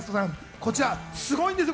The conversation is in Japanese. こちらすごいんですよ。